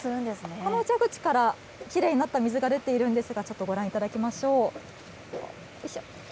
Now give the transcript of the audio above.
この蛇口からきれいになった水が出ているんですが、ちょっとご覧いただきましょう。